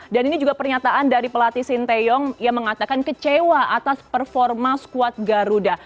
dan ini juga pernyataan dari pelatih sinteyong yang mengatakan kecewa atas performa squad garuda